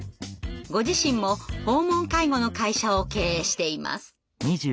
ご自身も訪問介護の会社を経営しています。